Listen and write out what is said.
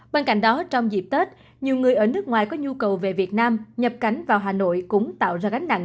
bên cạnh đó trong dịp tết nhiều người ở nước ngoài có nhu cầu về việt nam nhập cảnh vào hà nội cũng tạo ra gánh nặng